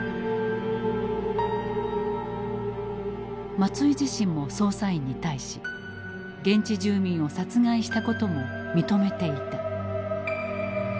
松井自身も捜査員に対し現地住民を殺害したことも認めていた。